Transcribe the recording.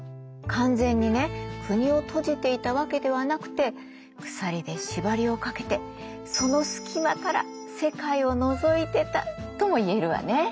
完全にね国を閉じていたわけではなくて鎖で縛りをかけてその隙間から世界をのぞいてたとも言えるわね。